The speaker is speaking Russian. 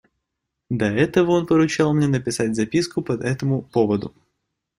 До этого он поручил мне написать записку по этому поводу.